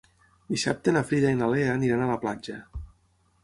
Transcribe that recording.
Dissabte na Frida i na Lea aniran a la platja.